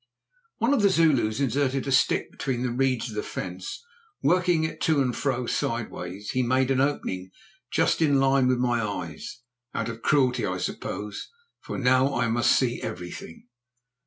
One of the Zulus inserted a stick between the reeds of the fence. Working it to and fro sideways, he made an opening just in a line with my eyes—out of cruelty, I suppose, for now I must see everything.